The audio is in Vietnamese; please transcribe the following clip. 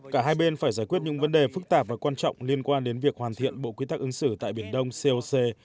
cả hai bên phải giải quyết những vấn đề phức tạp và quan trọng liên quan đến việc hoàn thiện bộ quy tắc ứng xử tại biển đông coc